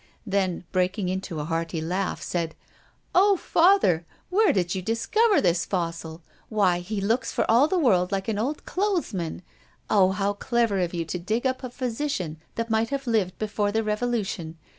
Then, breaking into a hearty laugh, said: "Oh! father, where did you discover this fossil? Why, he looks for all the world like an old clothesman. Oh! how clever of you to dig up a physician that might have lived before the Revolution!